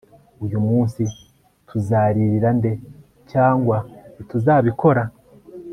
uyu munsi tuzaririra nde. cyangwa ntituzabikora